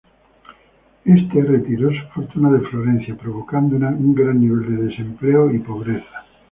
Éste retiró su fortuna de Florencia provocando un gran nivel de desempleo y pobreza.